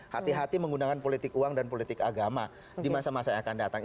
hati hati menggunakan politik uang dan politik agama di masa masa yang akan datang